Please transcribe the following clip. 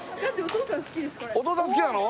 お父さん好きなの？